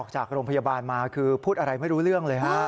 จากโรงพยาบาลมาคือพูดอะไรไม่รู้เรื่องเลยฮะ